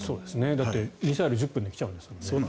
だってミサイル１０分で来ちゃうんですもんね。